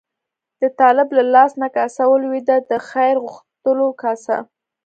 د طالب له لاس نه کاسه ولوېده، د خیر غوښتلو کاسه.